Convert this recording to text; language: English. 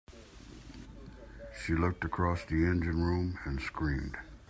She looked across the engine room and screamed.